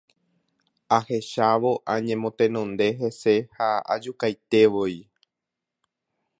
Ahechávo añemotenonde hese ha ajukaitevoi.